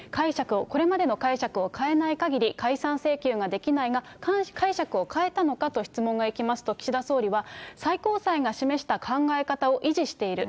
これまでの解釈を変えないかぎり、解散請求ができないが、解釈を変えたのかと質問がいきますと、岸田総理は、最高裁が示した考え方を維持している。